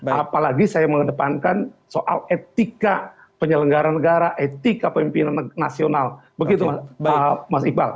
apalagi saya mengedepankan soal etika penyelenggara negara etika pemimpinan nasional begitu mas iqbal